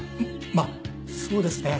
まあそうですね。